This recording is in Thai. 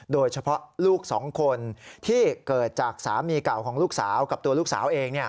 โดยเฉพาะลูกสองคนที่เกิดจากสามีเก่าของลูกสาวกับตัวลูกสาวเอง